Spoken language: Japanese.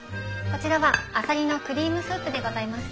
こちらはあさりのクリームスープでございます。